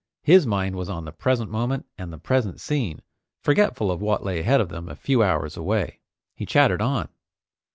His mind was on the present moment and the present scene, forgetful of what lay ahead of them, a few hours away. He chattered on.